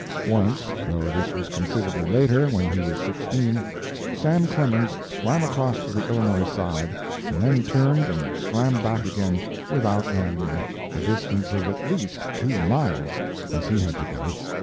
Once though this was considerably later, when he was sixteen Sam Clemens swam across to the Illinois side, and then turned and swam back again without landing, a distance of at least two miles, as he had to go.